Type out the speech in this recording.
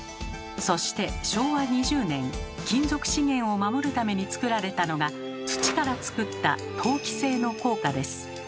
そして昭和２０年金属資源を守るためにつくられたのが土からつくった陶器製の硬貨です。